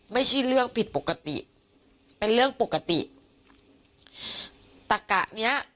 ไม่ใช่เรื่องผิดปกติเป็นเรื่องปกติตะกะเนี้ย